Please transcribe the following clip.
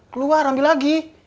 keluar ambil lagi